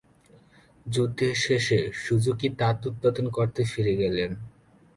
যুদ্ধের শেষে, সুজুকি তাঁত উৎপাদন করতে ফিরে গেলেন।